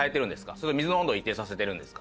それとも水の温度を一定させてるんですか？